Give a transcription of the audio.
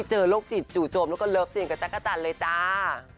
เจอโรคจิตจู่โจมแล้วก็เลิฟซีนกับจักรจันทร์เลยจ้า